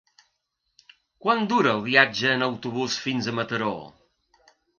Quant dura el viatge en autobús fins a Mataró?